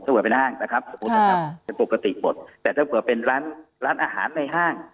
สมมุติจะเป็นห้างถ้าเกิดเป็นร้านอาหารในห้าง